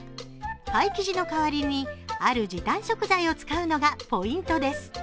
パイ生地の代わりにある時短食材を使うのがポイントです。